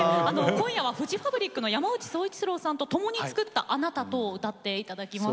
今夜はフジファブリックの山内総一郎さんと共に作った「あなたと」を歌って頂きます。